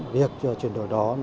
việc chuyển đổi đó